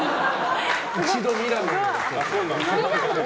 一度、ミラノで。